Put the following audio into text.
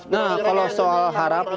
nah kalau soal harapan